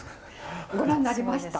ご覧になりました？